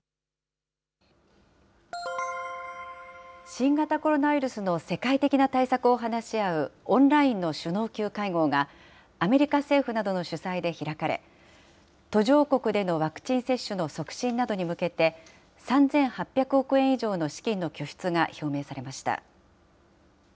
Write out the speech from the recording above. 新型コロナウイルスの世界的な対策を話し合うオンラインの首脳級会合が、アメリカ政府などの主催で開かれ、途上国でのワクチン接種の促進などに向けて、３８００億円以上の資金の拠出が表明されました。